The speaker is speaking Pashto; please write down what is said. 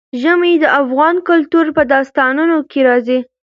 ژمی د افغان کلتور په داستانونو کې راځي.